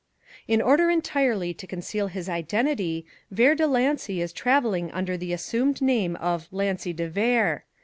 In order entirely to conceal his identity, Vere de Lancy is travelling under the assumed name of Lancy de Vere.